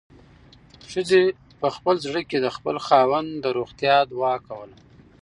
ښځې په خپل زړه کې د خپل خاوند د روغتیا دعا کوله.